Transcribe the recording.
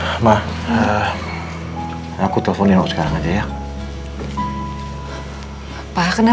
saya ingin anda menangani kasus saya dengan kebahagiaan anda